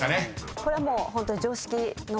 これはもうホントに。